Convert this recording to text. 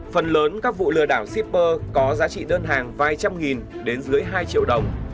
phần lớn các vụ lừa đảo shipper có giá trị đơn hàng vài trăm nghìn đến dưới hai triệu đồng